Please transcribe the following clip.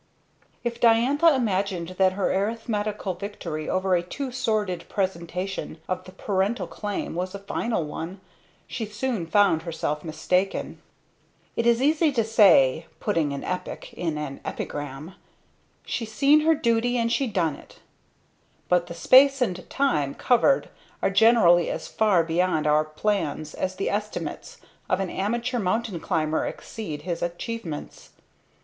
If Diantha imagined that her arithmetical victory over a too sordid presentation of the parental claim was a final one, she soon found herself mistaken. It is easy to say putting an epic in an epigram "She seen her duty and she done it!" but the space and time covered are generally as far beyond our plans as the estimates of an amateur mountain climber exceed his achievements.